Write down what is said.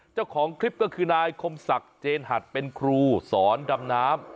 เจ้าของคลิปก็คือนายคมศักดิ์เจนหัดเป็นครูสอนดำน้ำ